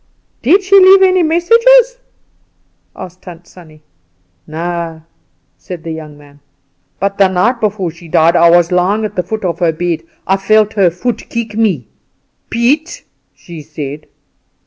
"Did she leave any messages?" asked Tant Sannie. "No," said the young man; "but the night before she died I was lying at the foot of her bed; I felt her foot kick me. "'Piet,' she said.